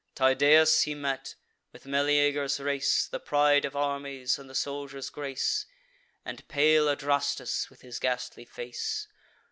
Tydeus he met, with Meleager's race, The pride of armies, and the soldiers' grace; And pale Adrastus with his ghastly face.